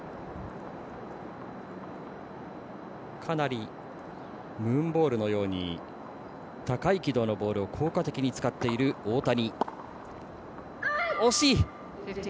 かなりムーンボールのように高い軌道のボールを効果的に使っている大谷。